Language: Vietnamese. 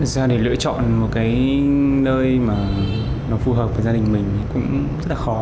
giờ để lựa chọn một cái nơi mà nó phù hợp với gia đình mình cũng rất là khó